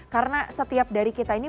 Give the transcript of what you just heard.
karena setiap dari kita ini